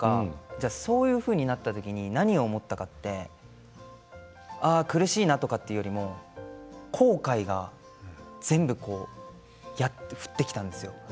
そういうふうになった時に何を思ったかって苦しいなとかよりも後悔が全部降ってきたんですね。